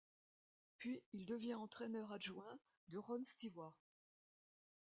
Puis, il devient entraîneur-adjoint de Ron Stewart.